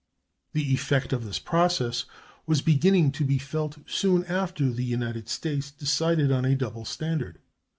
The effect of this process was beginning to be felt soon after the United States decided on a double standard.